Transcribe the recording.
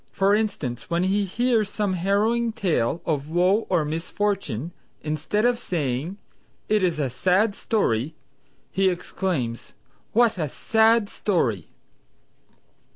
For instance when he hears some harrowing tale of woe or misfortune instead of saying, "It is a sad story" he exclaims "What a sad story!"